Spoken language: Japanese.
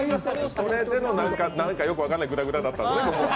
それでの、何かよく分からないぐだぐだだったんですね。